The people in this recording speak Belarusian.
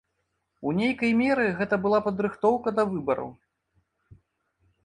У нейкай меры гэта была падрыхтоўка да выбараў.